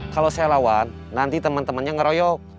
kalau saya lawan nanti temen temennya ngeroyok